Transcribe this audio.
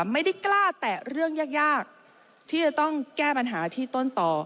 ไม่ได้กล้าแตะเรื่องยากที่จะต้องแก้ปัญหาที่ต้นต่อ